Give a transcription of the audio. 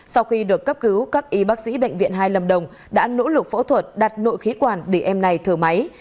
sau khi được cấp cứu các y bác sĩ bệnh viện hai lâm đồng đã nỗ lực phẫu thuật đặt nội khí quản để em này thở máy